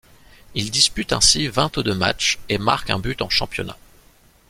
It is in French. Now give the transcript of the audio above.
Il dispute ainsi vingt-deux matchs et marque un but en championnat.